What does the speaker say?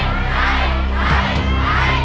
ใช้